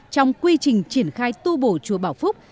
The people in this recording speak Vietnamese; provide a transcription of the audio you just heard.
trong quy trình triển khai tu bổ chùa bảo phúc